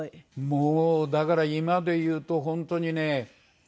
もうだから今で言うと本当にね